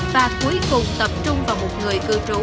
và cuối cùng tập trung vào một người cư trú